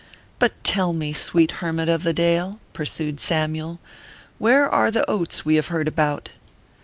But tell me, sweet hermit of the dale/ pursued Samyule, " where are the oats \ve have heard about